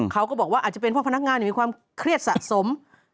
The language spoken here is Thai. เขาก็บอกว่าอาจจะเป็นเพราะพนักงานมีความเครียดสะสม